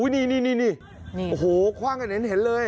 นี่โอ้โหคว่างกันเห็นเลย